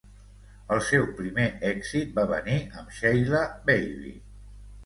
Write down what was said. El seu primer èxit va venir amb "Sheila Baby".